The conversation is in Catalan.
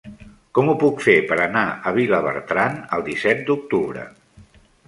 Com ho puc fer per anar a Vilabertran el disset d'octubre?